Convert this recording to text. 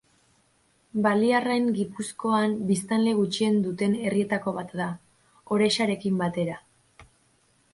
Baliarrain Gipuzkoan biztanle gutxien duten herrietako bat da, Orexarekin batera.